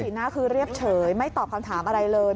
หน้าคือเรียบเฉยไม่ตอบคำถามอะไรเลย